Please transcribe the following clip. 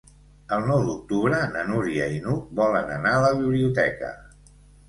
El nou d'octubre na Núria i n'Hug volen anar a la biblioteca.